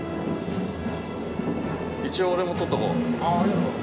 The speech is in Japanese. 一応俺も撮っとこう。